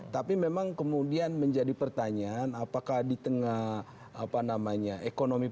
tapi memang kemudian menjadi pertanyaan apakah di tengah apa namanya ekonomi